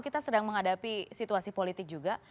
kita sedang menghadapi situasi politik juga